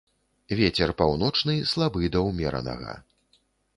Вецер паўночны слабы да ўмеранага.